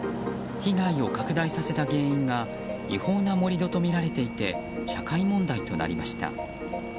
被害を拡大させた原因が違法な盛り土とみられていて社会問題となりました。